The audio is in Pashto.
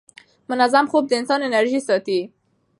منظم خوب د انسان انرژي ساتي.